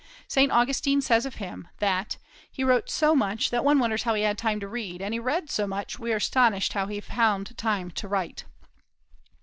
Saint Augustine says of him that "he wrote so much that one wonders how he had time to read; and he read so much, we are astonished how he found time to write."